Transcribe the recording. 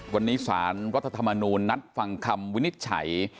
วันนี้สารรัฐธรรมนูญนัดฟังคำวินิจฉัย